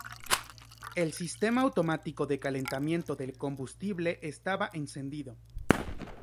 El sistema automático de calentamiento del combustible estaba encendido.